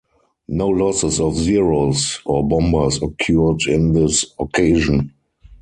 No losses of Zeros or bombers occurred on this occasion.